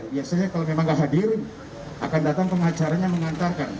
biasanya kalau memang nggak hadir akan datang pengacaranya mengantarkan